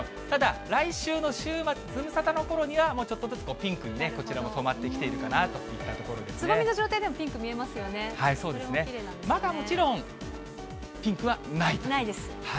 ただ来週の週末、ズムサタのころには、ちょっとずつピンクにこちらも染まってきているかなといった感じつぼみの状態でもピンク見えそうですね、まだもちろん、ないです。